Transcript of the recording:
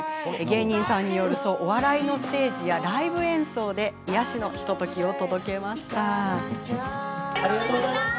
芸人さんによるお笑いのステージやライブ演奏で癒やしのひとときを届けました。